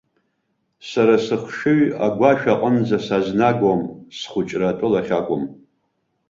Сара сыхшыҩ агәашә аҟынӡа сазнагом, схәыҷра атәылахь акәым.